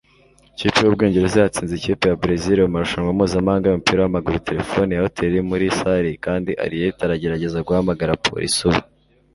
Ikipe yUbwongereza yatsinze ikipe ya Berezile mu marushanwa mpuzamahanga yumupira wamaguru Terefone ya hoteri iri muri salle kandi Harriet aragerageza guhamagara abapolisi ubu